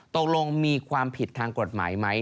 ตกลงมีความผิดทางกฎหมายไหม